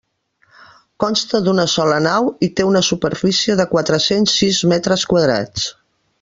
Consta d'una sola nau i té una superfície de quatre-cents sis metres quadrats.